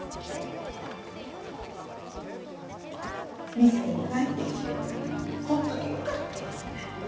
水根に帰ってきてホントによかった。